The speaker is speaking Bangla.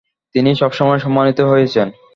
তিনি সবসময় সম্মানিত হয়েছেন।